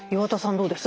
どうです？